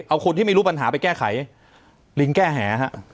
เอาคนที่ไม่รู้ปัญหาไปแก้ไขลิงแก้แหฮะ